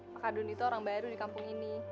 pak kadun itu orang baru di kampung ini